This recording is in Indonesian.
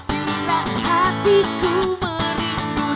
bila hatiku merindu